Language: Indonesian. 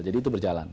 jadi itu berjalan